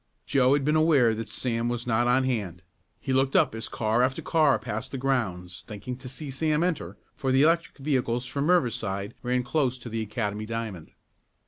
Joe had been aware that Sam was not on hand. He looked up as car after car passed the grounds, thinking to see Sam enter, for the electric vehicles from Riverside ran close to the Academy diamond.